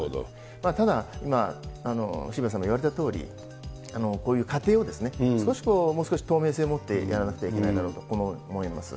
ただ、今、渋谷さんも言われたとおり、こういう過程を少し、もう少し透明性を持ってやらなくてはいけないだろうと思います。